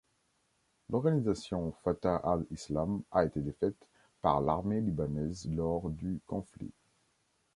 L'organisation Fatah al-Islam a été défaite par l'Armée Libanaise lors du conflit.